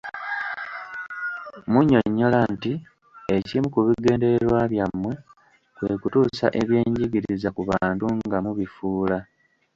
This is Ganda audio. Munnyonnyola nti ekimu ku bigendererwa byammwe kwe kutuusa eby'enjigiriza ku bantu nga mubifuula.